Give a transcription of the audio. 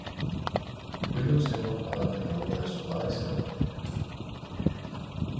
Willow se enoja ante la duda de su amada y se va.